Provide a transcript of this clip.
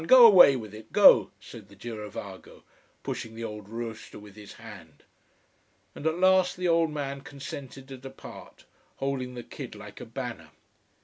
Go away with it! Go," said the girovago, pushing the old roaster with his hand. And at last the old man consented to depart, holding the kid like a banner.